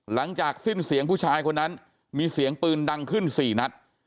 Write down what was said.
หลังจากสิ้นเสียงผู้ชายคนนั้นมีเสียงปืนดังขึ้น๔นัด